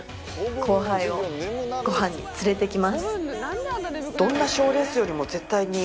後輩をごはんに連れて行きます。